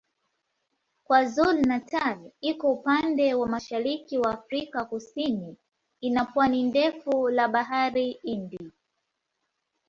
KwaZulu-Natal iko upande wa mashariki wa Afrika Kusini ina pwani ndefu la Bahari Hindi.